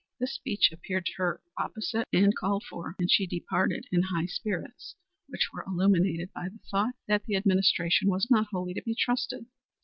This speech appeared to her apposite and called for, and she departed in high spirits, which were illuminated by the thought that the administration was not wholly to be trusted.